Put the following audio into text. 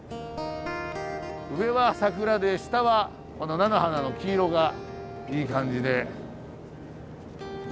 上は桜で下は菜の花の黄色がいい感じで。